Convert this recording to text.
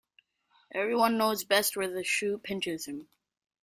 Every one knows best where the shoe pinches him.